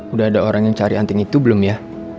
udah ada orang yang cari anting itu belum ya